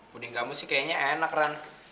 puding kamu sih kayaknya enak run